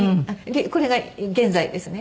これが現在ですね。